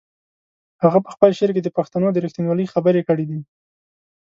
هغه په خپل شعر کې د پښتنو د رښتینولۍ خبرې کړې دي.